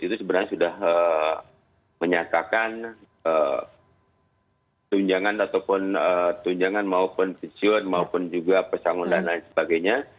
itu sebenarnya sudah menyatakan tunjangan ataupun tunjangan maupun vision maupun juga pesanggung dana dan sebagainya